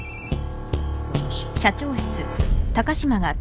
もしもし。